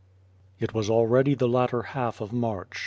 It was already the latter half of March.